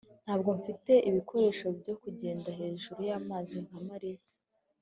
ntabwo mfite ibikoresho byo kugenda hejuru y'amazi nka mariya